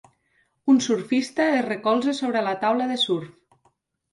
Un surfista es recolza sobre la taula de surf.